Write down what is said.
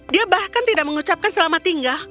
dia bahkan tidak mengucapkan selamat tinggal